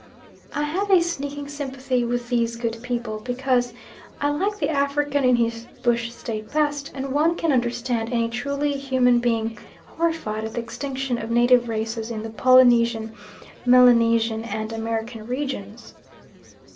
I have a sneaking sympathy with these good people, because I like the African in his bush state best; and one can understand any truly human being being horrified at the extinction of native races in the Polynesian, Melanesian, and American regions.